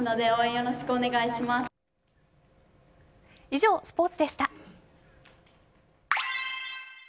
以上、スポーツでした。